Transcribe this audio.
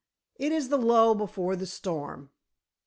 "It is the lull before the storm."